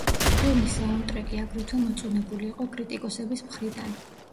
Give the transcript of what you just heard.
ფილმის საუნდტრეკი აგრეთვე მოწონებული იყო კრიტიკოსების მხრიდან.